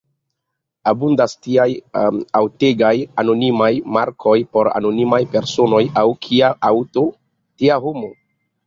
Abundas tiaj aŭtegoj: anonimaj markoj por anonimaj personoj; aŭ, kia aŭto, tia homo.